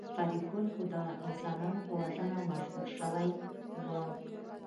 فریدګل خو د انسانانو په وژنه مشهور شوی و